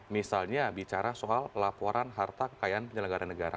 misalnya bicara soal laporan harta kekayaan penyelenggara negara